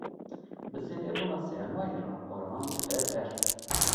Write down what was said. Bi zêdebûna sermayê re, baran dibe berf.